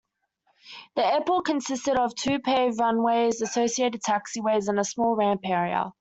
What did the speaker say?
The airport consisted of two paved runways, associated taxiways, and a small ramp area.